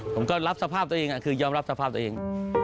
ผมก็รับสภาพตัวเองคือยอมรับสภาพตัวเอง